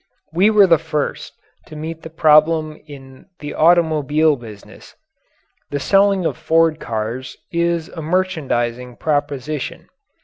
We were the first to meet the problem in the automobile business. The selling of Ford cars is a merchandising proposition.